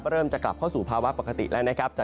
เริ่มจะกลับเข้าสู่ภาวะปกติและ